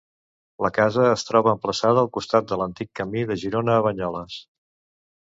La casa es troba emplaçada al costat de l'antic camí de Girona a Banyoles.